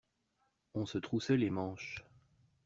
On se troussait les manches.